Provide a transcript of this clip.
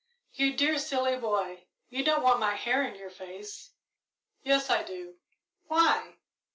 "You dear, silly boy, you don't want my hair in your face." "Yes, I do." "Why?"